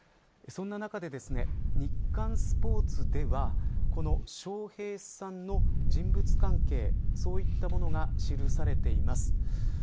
その中で、日刊スポーツでは笑瓶さんの人物関係そういったものが記されています。